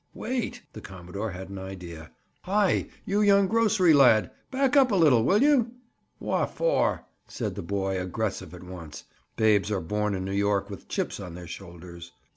"Wait!" The commodore had an idea. "Hi, you young grocery lad, back up a little, will you?" "Wha' for?" said the boy, aggressive at once. Babes are born in New York with chips on their shoulders.